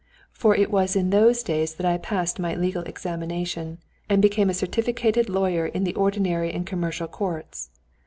For it was in those days that I passed my legal examination, and became a certificated lawyer in the ordinary and commercial courts.